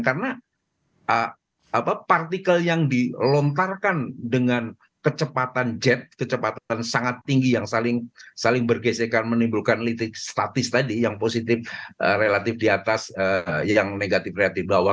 karena partikel yang dilontarkan dengan kecepatan jet kecepatan sangat tinggi yang saling bergesekan menimbulkan litik statis tadi yang positif relatif di atas yang negatif relatif di bawah